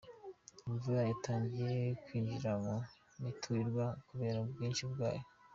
Imvura yatangiye kwinjira mu miturirwa kubera ubwinshi bwayo